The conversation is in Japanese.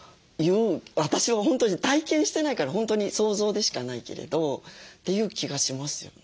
私は本当に体験してないから本当に想像でしかないけれどっていう気がしますよね。